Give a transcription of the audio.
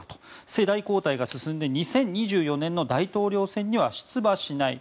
世代交代が進んで２０２４年の大統領選には出馬しない。